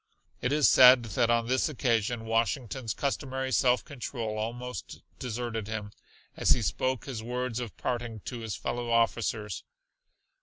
It is said that on this occasion Washington's customary self control almost deserted him, as he spoke his words of parting to his fellow officers.